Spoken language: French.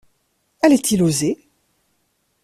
Allait-il oser?